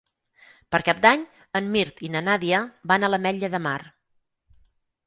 Per Cap d'Any en Mirt i na Nàdia van a l'Ametlla de Mar.